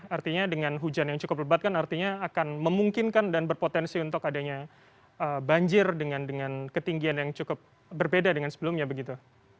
artinya dengan hujan yang cukup lebat kan artinya akan memungkinkan dan berpotensi untuk adanya banjir dengan ketinggian yang cukup berbeda dengan sebelumnya begitu